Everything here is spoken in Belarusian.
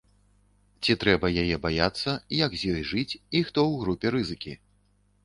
Ці трэба яе баяцца, як з ёй жыць і хто ў групе рызыкі.